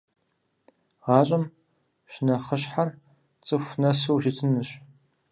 ГъащӀэм щынэхъыщхьэр цӀыху нэсу ущытынырщ.